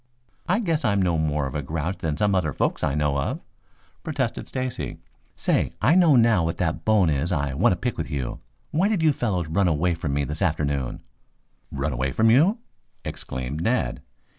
"I guess I'm no more a grouch than some other folks I know of," protested Stacy. "Say, I know now what that bone is I want to pick with you. Why did you fellows run away from me this afternoon?" "Run away from you?" exclaimed Ned.